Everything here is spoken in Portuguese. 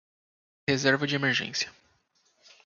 Reserva de emergência